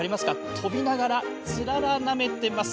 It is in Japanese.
飛びながらつららをなめています。